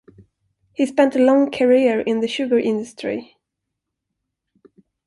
He spent a long career in the sugar industry.